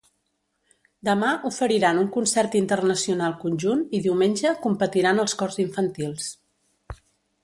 Demà oferiran un concert internacional conjunt i diumenge competiran els cors infantils.